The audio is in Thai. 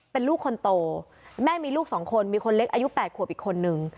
เป็นลูกคนโตแม่มีลูก๒คนมีคนเล็กอายุ๘ขวบอีกคนนึง